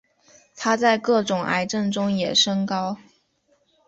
它在各种癌症中也升高。